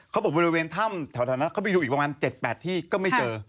บริเวณถ้ำแถวนั้นเขาไปดูอีกประมาณ๗๘ที่ก็ไม่เจอ